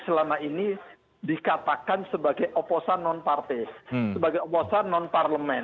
selama ini dikatakan sebagai oposan non partai sebagai oposan non parlemen